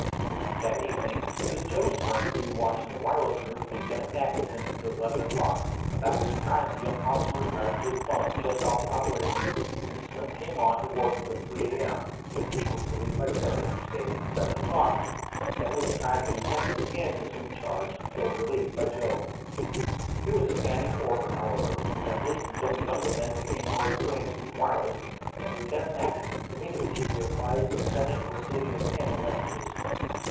That evening it was Joe's turn to do watch in the wireless room with Lieutenant Mackinson until eleven o'clock, at about which time the young officer retired to his bunk just off the operating room, and Slim came on, to work until three a. m., when he was relieved by Jerry, who stayed until seven o'clock, at which time the lieutenant again assumed charge until relieved by Joe. It was a standing order, however at least until the younger men became more experienced with the wireless that Lieutenant Mackinson immediately should be apprised of the sending or receiving of any messages.